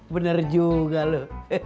bener juga lu